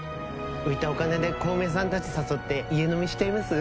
浮いたお金で小梅さんたち誘って家飲みしちゃいます？